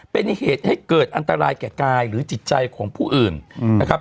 เป็นเหตุให้เกิดอันตรายแก่กายหรือจิตใจของผู้อื่นนะครับ